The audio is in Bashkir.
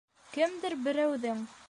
Кемдер берәүҙең: